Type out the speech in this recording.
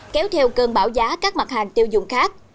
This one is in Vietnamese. kéo theo cơn bão giá các mặt hàng tiêu dùng khác